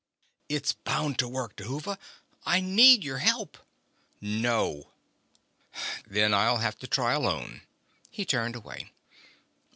"It's bound to work, Dhuva. I need your help." "No." "Then I'll have to try alone." He turned away.